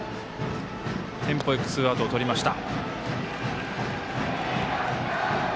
テンポよくツーアウトをとりました。